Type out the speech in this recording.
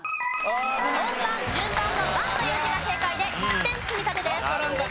本番順番の「番」という字が正解で１点積み立てです。